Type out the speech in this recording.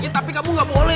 tapi kamu gak boleh